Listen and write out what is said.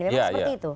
memang seperti itu